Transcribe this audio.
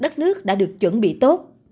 đất nước đã được chuẩn bị tốt